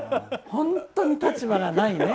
本当に立場がないね！